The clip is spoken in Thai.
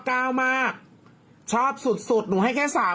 แคปเจอร์นะ